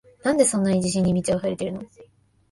なんでそんなに自信に満ちあふれてるの？